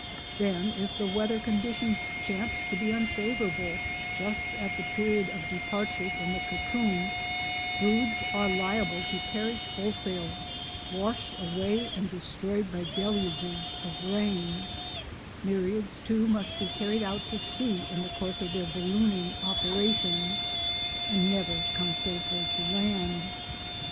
Then if the weather conditions chance to be unfavourable just at the period of departure from the cocoon broods are liable to perish wholesale, washed away and destroyed by deluges of rain; myriads, too, must be carried out to sea in the course of their ballooning operations, and never come safely to land.